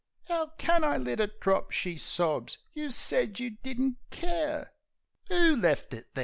" 'Ow can I let it drop?" she sobs. "You said you didn't care 'Oo left it there."